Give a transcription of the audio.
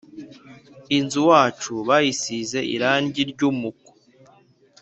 inzu wacu bayisize irangi ryumuku